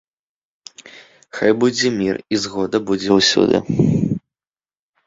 Хай будзе мір, і згода будзе ўсюды.